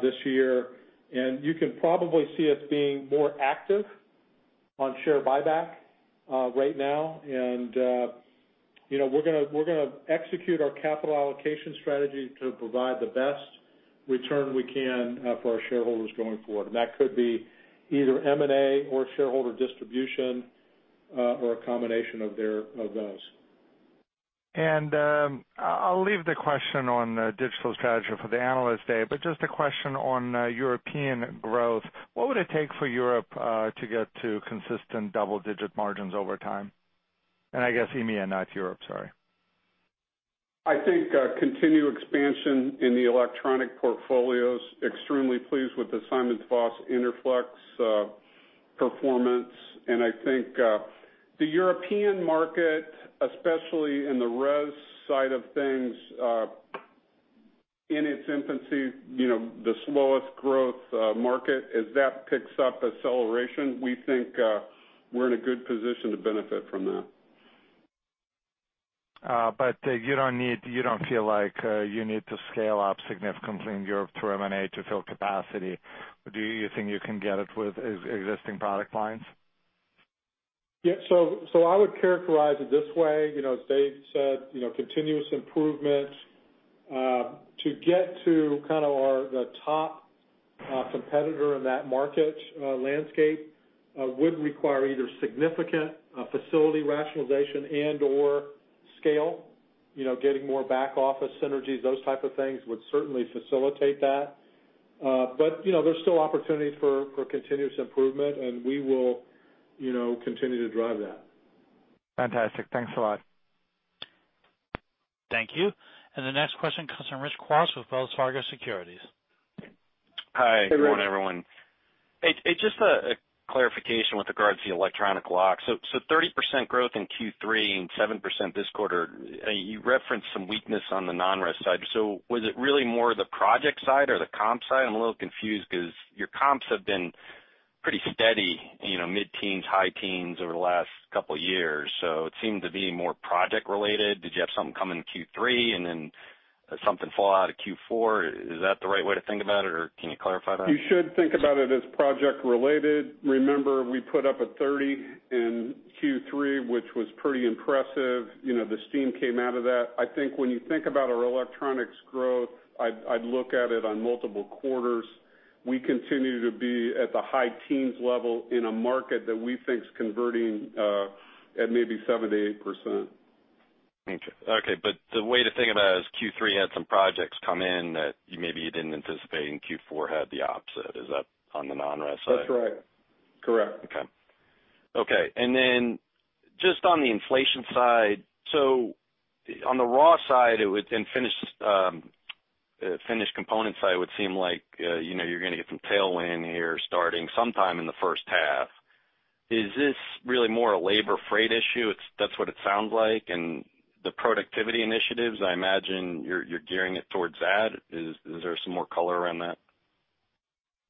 this year. You can probably see us being more active on share buyback right now. We're going to execute our capital allocation strategy to provide the best return we can for our shareholders going forward, and that could be either M&A or shareholder distribution, or a combination of those. I'll leave the question on digital strategy for the Analyst Day, just a question on European growth. What would it take for Europe to get to consistent double-digit margins over time? I guess EMEIA, not Europe, sorry. I think continued expansion in the electronic portfolios. Extremely pleased with the SimonsVoss Interflex performance. I think the European market, especially in the res side of things, in its infancy, the slowest growth market. As that picks up acceleration, we think we're in a good position to benefit from that. You don't feel like you need to scale up significantly in Europe through M&A to fill capacity. Do you think you can get it with existing product lines? Yeah. I would characterize it this way. As Dave said, continuous improvement. To get to kind of the top competitor in that market landscape would require either significant facility rationalization and/or scale. Getting more back office synergies, those type of things would certainly facilitate that. There's still opportunities for continuous improvement, and we will continue to drive that. Fantastic. Thanks a lot. Thank you. The next question comes from Rich Kwas with Wells Fargo Securities. Hey, Rich. Hi, good morning, everyone. Just a clarification with regards to the electronic locks. 30% growth in Q3 and 7% this quarter. You referenced some weakness on the non-res side. Was it really more the project side or the comp side? I'm a little confused because your comps have been pretty steady, mid-teens, high teens over the last couple of years. It seemed to be more project related. Did you have something come in Q3 and then something fall out of Q4? Is that the right way to think about it, or can you clarify that? You should think about it as project related. Remember, we put up a 30 in Q3, which was pretty impressive. The steam came out of that. I think when you think about our electronics growth, I'd look at it on multiple quarters. We continue to be at the high teens level in a market that we think is converting at maybe 7%-8%. Okay. The way to think about it is Q3 had some projects come in that maybe you didn't anticipate, and Q4 had the opposite. Is that on the non-res side? That's right. Correct. Okay. Just on the inflation side. On the raw side and finished component side, it would seem like you're going to get some tailwind here starting sometime in the first half. Is this really more a labor freight issue? That's what it sounds like, and the productivity initiatives, I imagine you're gearing it towards that. Is there some more color around that?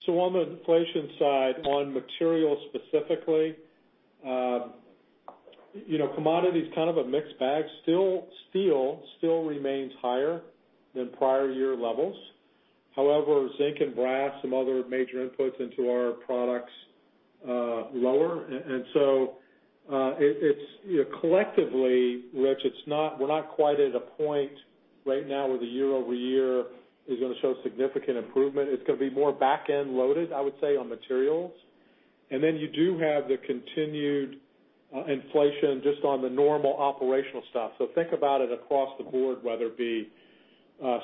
On the inflation side, on materials specifically, commodities, kind of a mixed bag. Steel still remains higher than prior year levels. However, zinc and brass, some other major inputs into our products, lower. Collectively, Rich, we're not quite at a point right now where the year-over-year is going to show significant improvement. It's going to be more back-end loaded, I would say, on materials. You do have the continued inflation just on the normal operational stuff. Think about it across the board, whether it be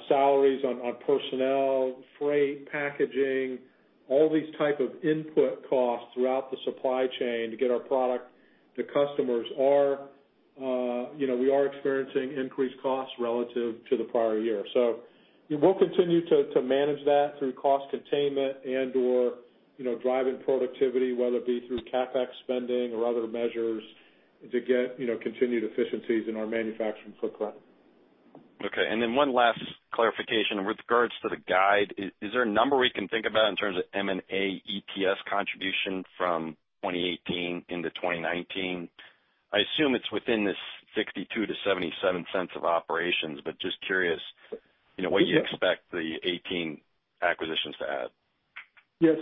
salaries on personnel, freight, packaging, all these type of input costs throughout the supply chain to get our product to customers. We are experiencing increased costs relative to the prior year. We will continue to manage that through cost containment and/or driving productivity, whether it be through CapEx spending or other measures to get continued efficiencies in our manufacturing footprint. Okay. One last clarification with regards to the guide. Is there a number we can think about in terms of M&A EPS contribution from 2018 into 2019? I assume it's within this $0.62-$0.77 of operations, but just curious what you expect the 2018 acquisitions to add. Yeah.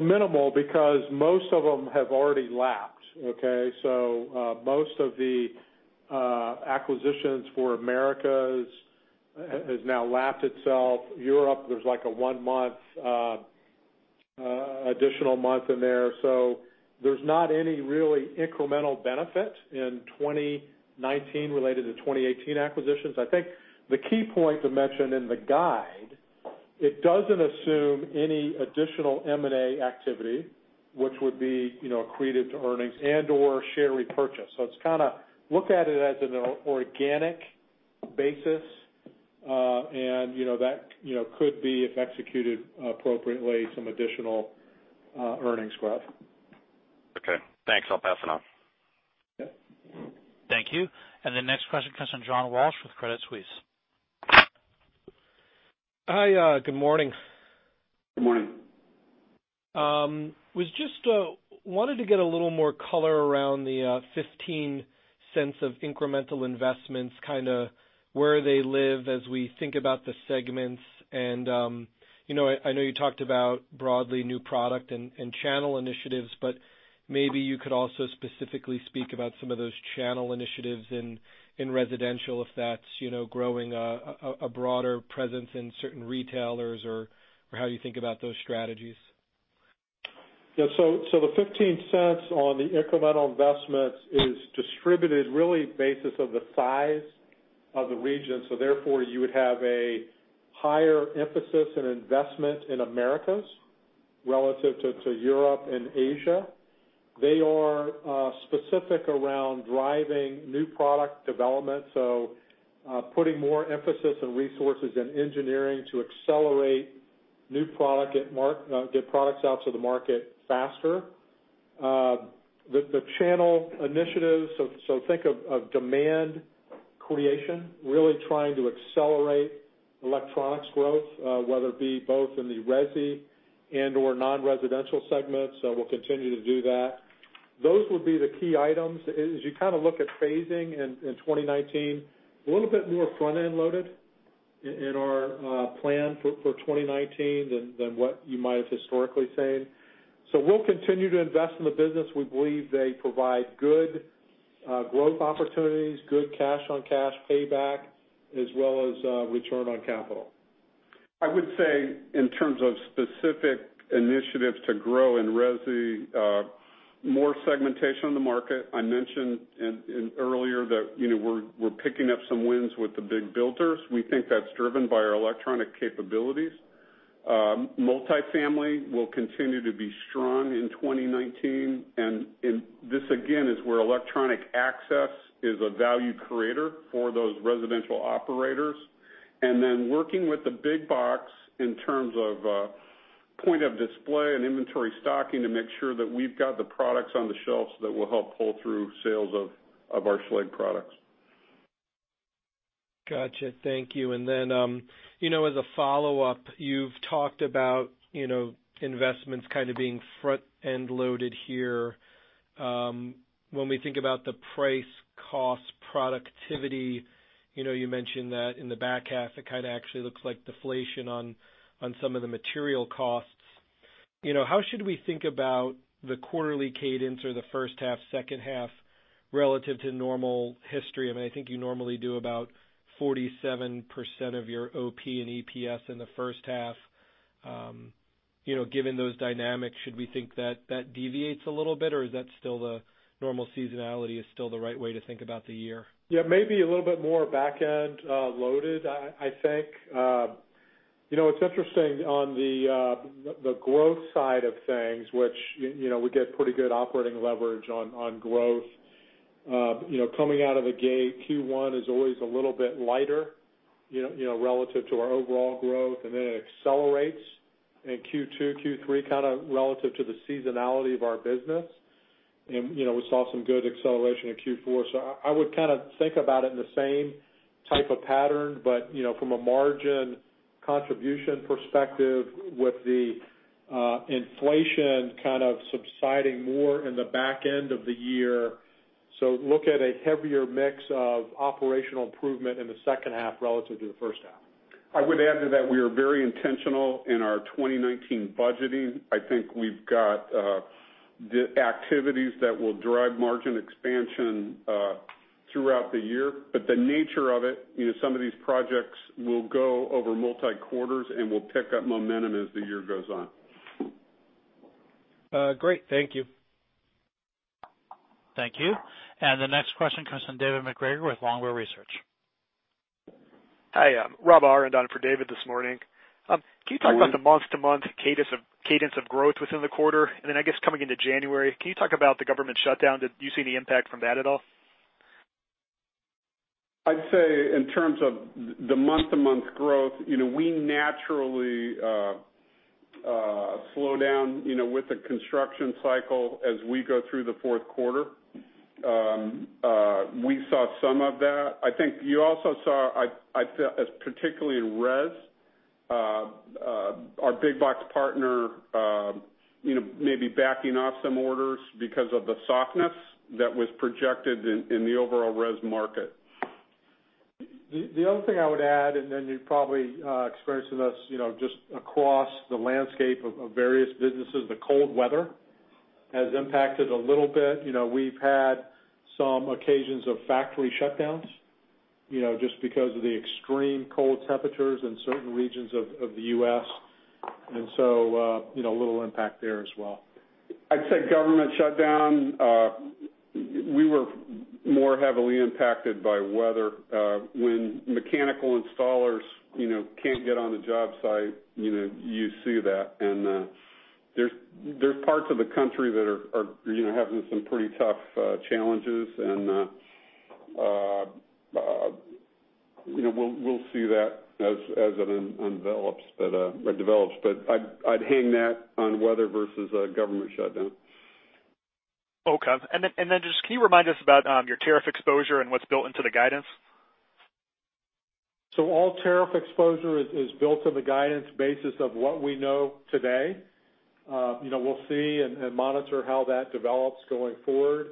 Minimal, because most of them have already lapsed. Okay? Most of the acquisitions for Americas has now lapsed itself. Europe, there's like a one additional month in there. There's not any really incremental benefit in 2019 related to 2018 acquisitions. I think the key point to mention in the guide, it doesn't assume any additional M&A activity, which would be accretive to earnings and/or share repurchase. Look at it as an organic basis, and that could be, if executed appropriately, some additional earnings growth. Okay, thanks. I'll pass it on. Yeah. Thank you. The next question comes from John Walsh with Credit Suisse. Hi, good morning. Good morning. Just wanted to get a little more color around the $0.15 of incremental investments, kind of where they live as we think about the segments. I know you talked about broadly new product and channel initiatives, maybe you could also specifically speak about some of those channel initiatives in residential, if that's growing a broader presence in certain retailers or how you think about those strategies. Yeah. The $0.15 on the incremental investments is distributed really basis of the size of the region. Therefore, you would have a higher emphasis on investment in Americas relative to Europe and Asia. They are specific around driving new product development, putting more emphasis on resources and engineering to accelerate new product, get products out to the market faster. The channel initiatives, think of demand creation, really trying to accelerate electronics growth, whether it be both in the resi and/or non-residential segments. We'll continue to do that. Those would be the key items. As you kind of look at phasing in 2019, a little bit more front-end loaded in our plan for 2019 than what you might have historically seen. We'll continue to invest in the business. We believe they provide good growth opportunities, good cash-on-cash payback, as well as return on capital. I would say in terms of specific initiatives to grow in resi, more segmentation in the market. I mentioned earlier that we're picking up some wins with the big builders. We think that's driven by our electronic capabilities. Multifamily will continue to be strong in 2019. This again is where electronic access is a value creator for those residential operators. Then working with the big box in terms of point of display and inventory stocking to make sure that we've got the products on the shelves that will help pull through sales of our Schlage products. Got you. Thank you. Then as a follow-up, you've talked about investments kind of being front-end loaded here. When we think about the price, cost, productivity, you mentioned that in the back half, it kind of actually looks like deflation on some of the material costs. How should we think about the quarterly cadence or the first half, second half relative to normal history? I think you normally do about 47% of your OP and EPS in the first half. Given those dynamics, should we think that deviates a little bit, or is that still the normal seasonality is still the right way to think about the year? Maybe a little bit more back-end loaded, I think. It's interesting on the growth side of things, which we get pretty good operating leverage on growth. Coming out of the gate, Q1 is always a little bit lighter relative to our overall growth, then it accelerates in Q2, Q3, kind of relative to the seasonality of our business. We saw some good acceleration in Q4. I would kind of think about it in the same type of pattern, but from a margin contribution perspective with the inflation kind of subsiding more in the back end of the year. Look at a heavier mix of operational improvement in the second half relative to the first half. I would add to that, we are very intentional in our 2019 budgeting. I think we've got the activities that will drive margin expansion throughout the year. The nature of it, some of these projects will go over multi quarters and will pick up momentum as the year goes on. Great. Thank you. Thank you. The next question comes from David MacGregor with Longbow Research. Hi, Rob Aron on for David this morning. Can you talk about the month-to-month cadence of growth within the quarter? Then, I guess, coming into January, can you talk about the government shutdown? Do you see any impact from that at all? I'd say in terms of the month-to-month growth, we naturally slow down with the construction cycle as we go through the fourth quarter. We saw some of that. I think you also saw, particularly in res, our big box partner maybe backing off some orders because of the softness that was projected in the overall res market. The other thing I would add, you've probably experienced this, just across the landscape of various businesses, the cold weather has impacted a little bit. We've had some occasions of factory shutdowns, just because of the extreme cold temperatures in certain regions of the U.S. A little impact there as well. I'd say government shutdown, we were more heavily impacted by weather. When mechanical installers can't get on the job site, you see that. There's parts of the country that are having some pretty tough challenges, and we'll see that as it develops. I'd hang that on weather versus a government shutdown. Okay. Just can you remind us about your tariff exposure and what's built into the guidance? All tariff exposure is built on the guidance basis of what we know today. We'll see and monitor how that develops going forward.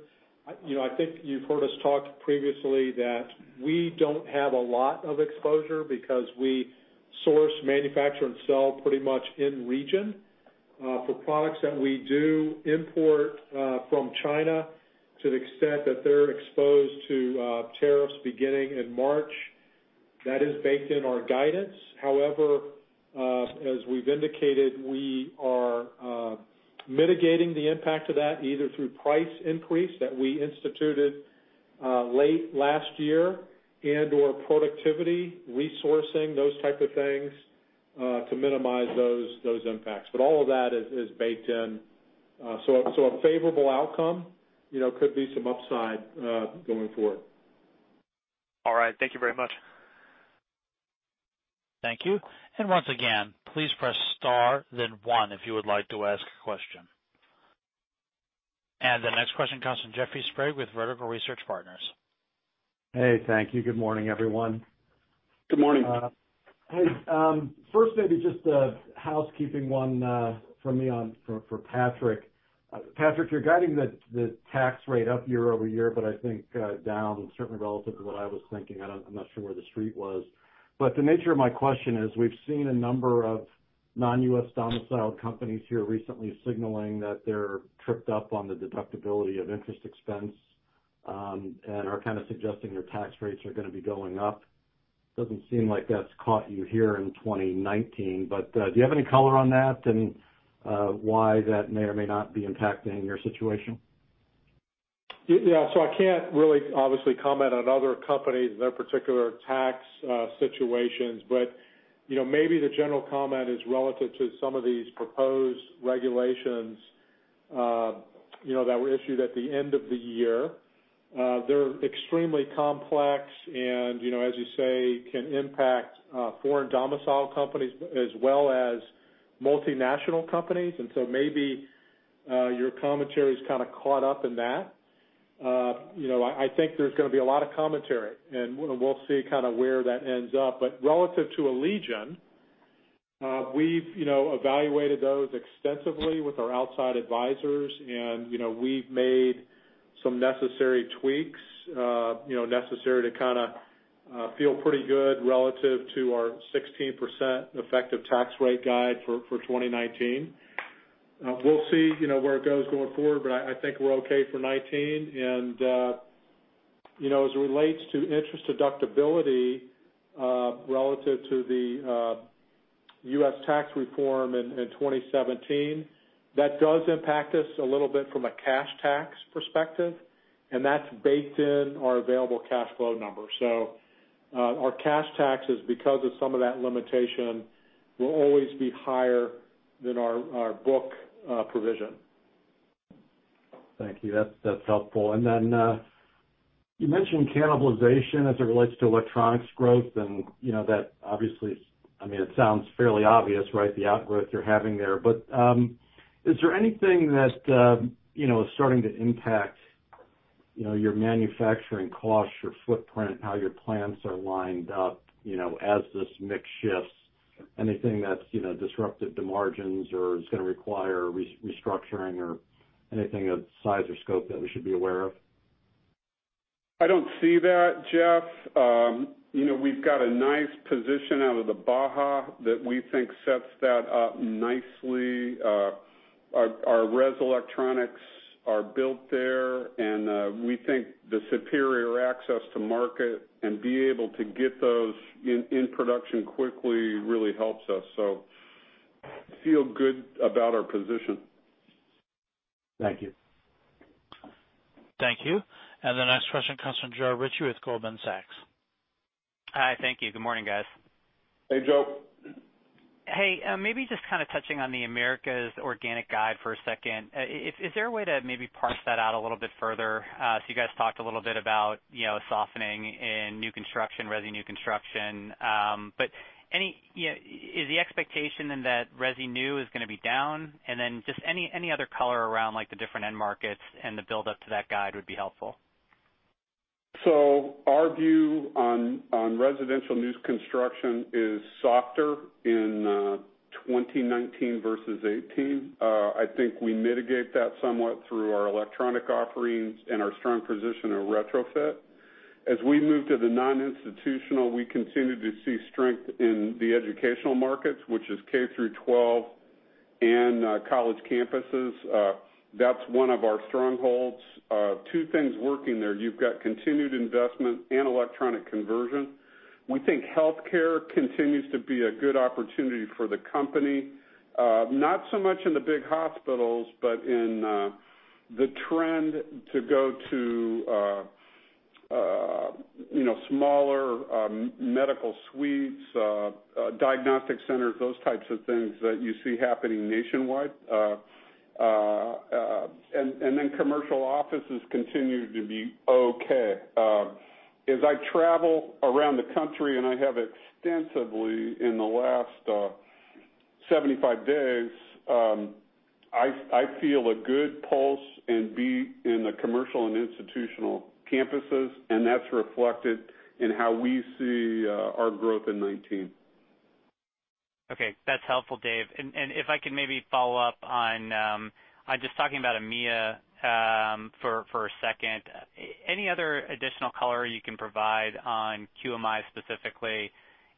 I think you've heard us talk previously that we don't have a lot of exposure because we source, manufacture, and sell pretty much in region. For products that we do import from China, to the extent that they're exposed to tariffs beginning in March, that is baked in our guidance. However, as we've indicated, we are mitigating the impact of that either through price increase that we instituted late last year and/or productivity, resourcing, those type of things, to minimize those impacts. All of that is baked in. A favorable outcome could be some upside, going forward. All right. Thank you very much. Thank you. Once again, please press star then one if you would like to ask a question. The next question comes from Jeffrey Sprague with Vertical Research Partners. Hey, thank you. Good morning, everyone. Good morning. Hey. First, maybe just a housekeeping one from me for Patrick. Patrick, you're guiding the tax rate up year-over-year, but I think down certainly relative to what I was thinking. I'm not sure where the Street was. The nature of my question is, we've seen a number of non-U.S. domiciled companies here recently signaling that they're tripped up on the deductibility of interest expense, and are kind of suggesting their tax rates are going to be going up. Doesn't seem like that's caught you here in 2019, but do you have any color on that and why that may or may not be impacting your situation? Yeah. I can't really obviously comment on other companies and their particular tax situations. Maybe the general comment is relative to some of these proposed regulations that were issued at the end of the year. They're extremely complex and, as you say, can impact foreign domicile companies as well as multinational companies. Maybe your commentary's kind of caught up in that. I think there's going to be a lot of commentary, and we'll see where that ends up. Relative to Allegion, we've evaluated those extensively with our outside advisors and we've made some necessary tweaks, necessary to kind of feel pretty good relative to our 16% effective tax rate guide for 2019. We'll see where it goes going forward, but I think we're okay for '19. As it relates to interest deductibility relative to the U.S. Tax Reform in 2017, that does impact us a little bit from a cash tax perspective, and that's baked in our available cash flow number. Our cash taxes, because of some of that limitation, will always be higher than our book provision. Thank you. That's helpful. You mentioned cannibalization as it relates to electronics growth, and that obviously sounds fairly obvious, right? The outgrowth you're having there. Is there anything that is starting to impact your manufacturing costs, your footprint, how your plants are lined up as this mix shifts? Anything that's disruptive to margins or is going to require restructuring or anything of size or scope that we should be aware of? I don't see that, Jeff. We've got a nice position out of the Baja that we think sets that up nicely. Our res electronics are built there, and we think the superior access to market and be able to get those in production quickly really helps us. Feel good about our position. Thank you. Thank you. The next question comes from Joe Ritchie with Goldman Sachs. Hi, thank you. Good morning, guys. Hey, Joe. Hey, maybe just kind of touching on the Americas organic guide for a second. Is there a way to maybe parse that out a little bit further? You guys talked a little bit about softening in new construction, resi new construction, is the expectation then that resi new is going to be down? Just any other color around the different end markets and the buildup to that guide would be helpful. Our view on residential new construction is softer in 2019 versus '18. I think we mitigate that somewhat through our electronic offerings and our strong position in retrofit. As we move to the non-institutional, we continue to see strength in the educational markets, which is K through 12 and college campuses. That's one of our strongholds. Two things working there. You've got continued investment and electronic conversion. We think healthcare continues to be a good opportunity for the company. Not so much in the big hospitals, but in the trend to go to smaller medical suites, diagnostic centers, those types of things that you see happening nationwide. Commercial offices continue to be okay. As I travel around the country, and I have extensively in the last 75 days, I feel a good pulse and beat in the commercial and institutional campuses, and that's reflected in how we see our growth in '19. Okay, that's helpful, Dave. If I can maybe follow up on just talking about EMEIA for a second. Any other additional color you can provide on QMI specifically?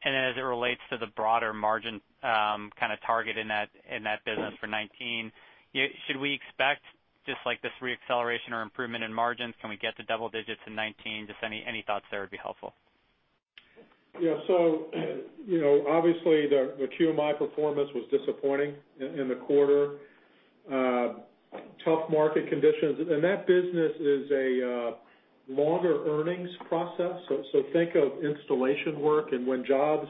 Then as it relates to the broader margin kind of target in that business for 2019, should we expect just like this re-acceleration or improvement in margins? Can we get to double digits in 2019? Any thoughts there would be helpful. Yeah. Obviously, the QMI performance was disappointing in the quarter. Tough market conditions. That business is a longer earnings process. Think of installation work and when jobs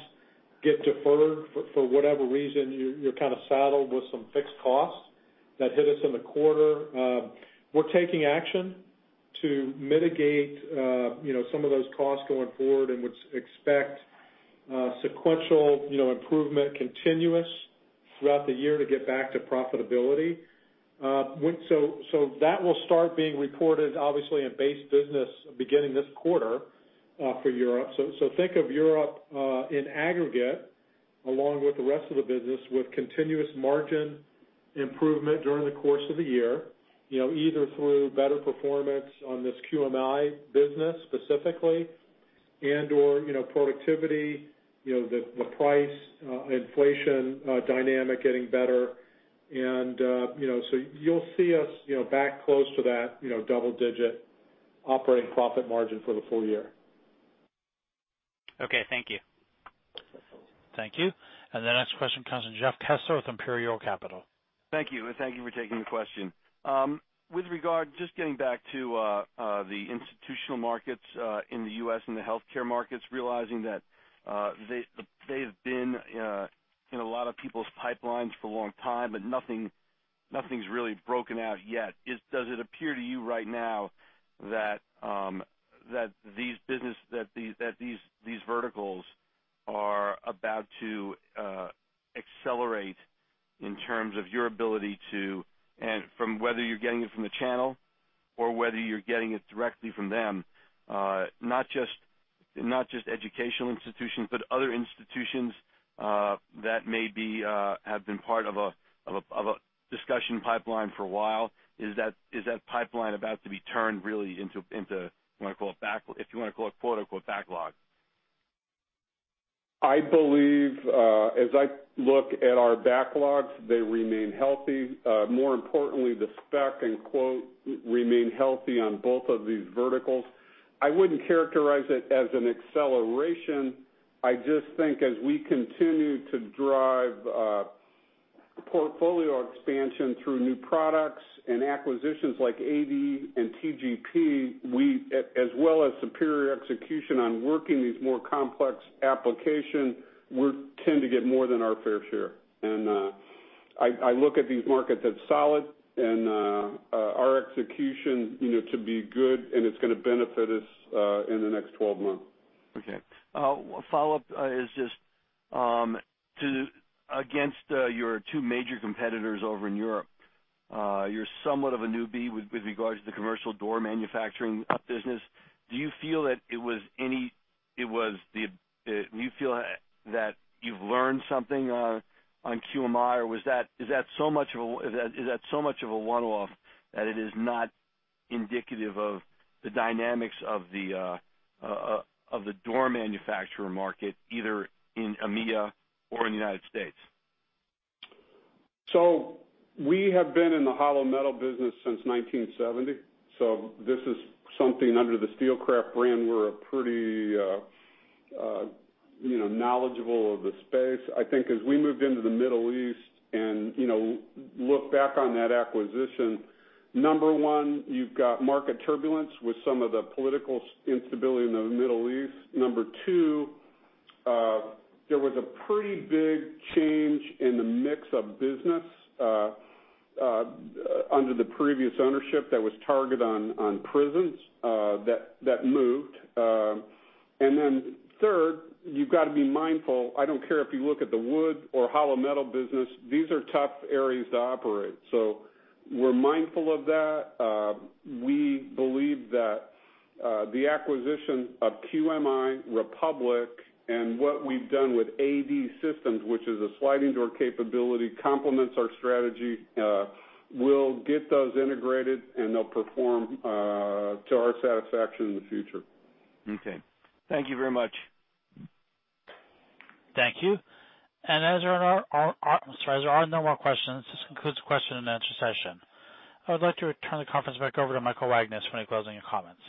get deferred for whatever reason, you're kind of saddled with some fixed costs that hit us in the quarter. We're taking action to mitigate some of those costs going forward and would expect sequential improvement continuous throughout the year to get back to profitability. That will start being reported obviously in base business beginning this quarter for Europe. Think of Europe in aggregate along with the rest of the business with continuous margin improvement during the course of the year, either through better performance on this QMI business specifically and/or productivity, the price inflation dynamic getting better. You'll see us back close to that double digit operating profit margin for the full year. Okay. Thank you. Thank you. The next question comes from Jeff Kessler with Imperial Capital. Thank you. Thank you for taking the question. With regard, just getting back to the institutional markets in the U.S. and the healthcare markets, realizing that they've been in a lot of people's pipelines for a long time, but nothing's really broken out yet. Does it appear to you right now that these verticals are about to accelerate in terms of your ability to, and from whether you're getting it from the channel or whether you're getting it directly from them? Not just educational institutions, but other institutions that maybe have been part of a discussion pipeline for a while. Is that pipeline about to be turned really into, if you want to call it, quote, unquote, "backlog"? I believe as I look at our backlogs, they remain healthy. More importantly, the spec and quote remain healthy on both of these verticals. I wouldn't characterize it as an acceleration. I just think as we continue to drive portfolio expansion through new products and acquisitions like AD and TGP, as well as superior execution on working these more complex applications, we tend to get more than our fair share. I look at these markets as solid and our execution to be good, and it's going to benefit us in the next 12 months. Okay. A follow-up is just, against your two major competitors over in Europe, you're somewhat of a newbie with regards to the commercial door manufacturing business. Do you feel that you've learned something on QMI, or is that so much of a one-off that it is not indicative of the dynamics of the door manufacturer market, either in EMEIA or in the U.S.? We have been in the hollow metal business since 1970. This is something under the Steelcraft brand. We're pretty knowledgeable of the space. I think as we moved into the Middle East and look back on that acquisition, number 1, you've got market turbulence with some of the political instability in the Middle East. Number 2, there was a pretty big change in the mix of business under the previous ownership that was targeted on prisons. That moved. Then third, you've got to be mindful, I don't care if you look at the wood or hollow metal business, these are tough areas to operate. We're mindful of that. We believe that the acquisition of QMI, Republic, and what we've done with AD Systems, which is a sliding door capability, complements our strategy. We'll get those integrated, and they'll perform to our satisfaction in the future. Okay. Thank you very much. Thank you. As there are no more questions, this concludes the question and answer session. I would like to return the conference back over to Mike Wagnes for any closing comments.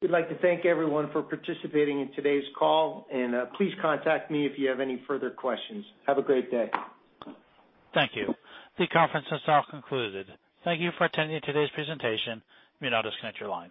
We'd like to thank everyone for participating in today's call, and please contact me if you have any further questions. Have a great day. Thank you. The conference is now concluded. Thank you for attending today's presentation. You may now disconnect your lines.